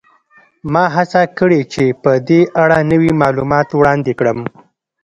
ما هڅه کړې چې په دې اړه نوي معلومات وړاندې کړم